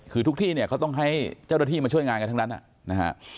คือทุกที่เนี่ยเขาต้องให้เจ้าหน้าที่มาช่วยงานกันทั้งนั้นนะฮะ